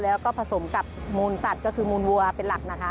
แล้วก็ผสมกับมูลสัตว์ก็คือมูลวัวเป็นหลักนะคะ